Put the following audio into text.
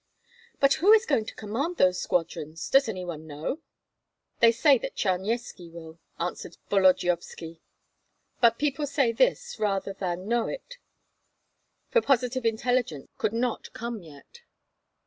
"But who is going to command those squadrons? Does any one know?" "They say that Charnyetski will," answered Volodyovski; "but people say this rather than know it, for positive intelligence could not come yet."